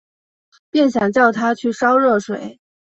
便想叫她去烧热水